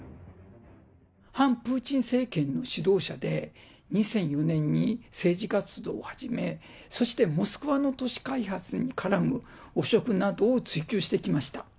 反プーチン政権の指導者で、２００４年に政治活動を始め、そしてモスクワの都市開発に絡む汚職などを追及してきました。